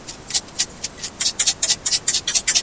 ომამდე ეკლესიის შენობა გამოიყენებოდა ციხედ.